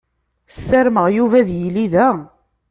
Sarmeɣ Yuba ad yili da.